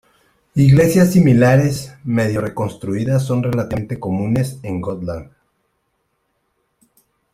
Iglesias similares, medio reconstruidas son relativamente comunes en Gotland.